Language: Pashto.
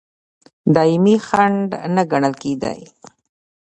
دایمي خنډ نه ګڼل کېدی.